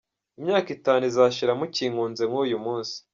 Imyaka itanu izashira mukinkunze nk’uyu munsi.